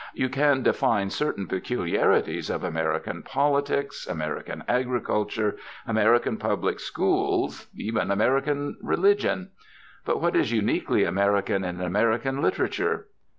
You can define certain peculiarities of American politics, American agriculture, American public schools, even American religion. But what is uniquely American in American literature?